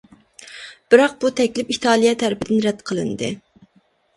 بىراق، بۇ تەكلىپ ئىتالىيە تەرىپىدىن رەت قىلىندى.